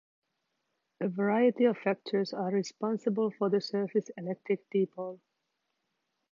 A variety of factors are responsible for the surface electric dipole.